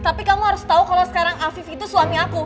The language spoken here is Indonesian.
tapi kamu harus tahu kalau sekarang afif itu suami aku